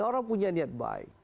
orang punya niat baik